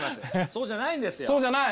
そうじゃないんですよ。